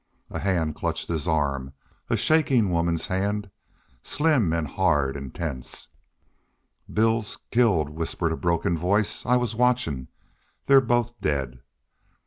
A hand clutched his arm a shaking woman's hand, slim and hard and tense. "Bill's killed!" whispered a broken voice. "I was watchin'.... They're both dead!"